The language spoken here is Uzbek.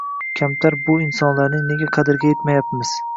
Kamtar bu insonlarning nega qadriga yetmayapmiz?